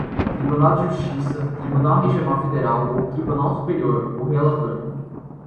tribunal de justiça, tribunal regional federal ou tribunal superior, o relator: